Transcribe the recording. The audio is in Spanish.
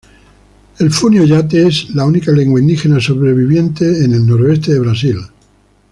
El funiô-yatê es la única lengua indígena sobreviviente en el nordeste de Brasil.